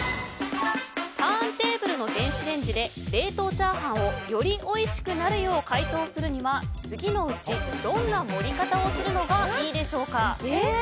ターンテーブルの電子レンジで冷凍チャーハンをよりおいしくなるよう解凍するには次のうちどんな盛り方をするのがいいでしょうか。